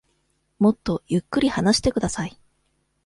もっとゆっくり話してください。